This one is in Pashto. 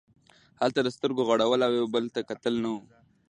هلته د سترګو غړول او یو بل ته کتل نه وو.